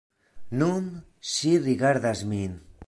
Nun, ŝi rigardas min.